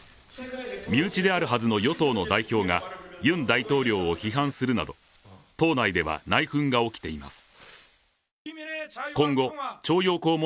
身内であるはずの与党の代表がユン大統領を批判するなど党内では内紛が起きています。